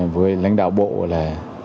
với lãnh đạo bộ là